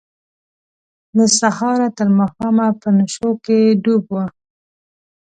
له سهاره تر ماښامه په نشو کې ډوب وه.